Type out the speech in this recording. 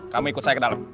kamu ikut saya ke dalam